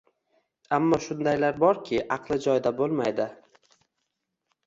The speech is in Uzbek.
ammo shundaylar borki, aqli joyida boʻlmaydi.